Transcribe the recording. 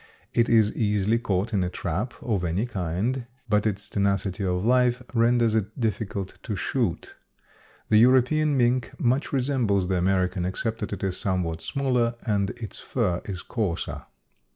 It is easily caught in a trap of any kind, but its tenacity of life renders it difficult to shoot. The European mink much resembles the American, except that it is somewhat smaller and its fur is coarser.